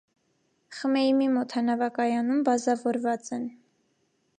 Խմեյմիմ օդանավակայանում բազավորված են։